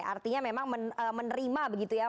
artinya memang menerima begitu ya